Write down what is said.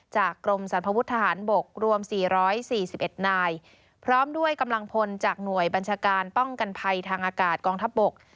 กรมสรรพวุฒิทหารบกรวม๔๔๑นายพร้อมด้วยกำลังพลจากหน่วยบัญชาการป้องกันภัยทางอากาศกองทัพบก